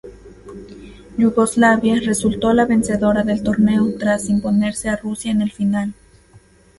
Yugoslavia resultó la vencedora del torneo, tras imponerse a Rusia en la final.